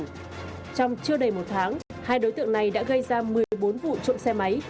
trong chưa đầy một tháng hai đối tượng này đã gây ra một mươi bốn vụ trộm xe máy